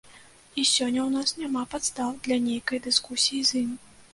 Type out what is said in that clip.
І сёння ў нас няма падстаў для нейкай дыскусіі з ім.